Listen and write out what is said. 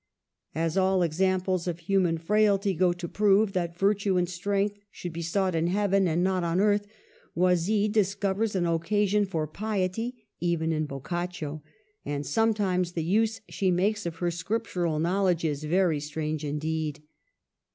As all examples of human frailty go to prove that virtue and strength should be sought in heaven and not on earth, Oisille discovers an occasion for piety in Boccaccio ; and sometimes the use she makes of her scrip tural knowledge is very strange indeed.